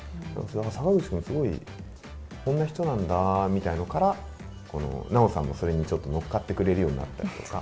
坂口君、すごい、こんな人なんだみたいなのから、奈緒さんも、それにちょっと乗っかってくれるようになったりとか。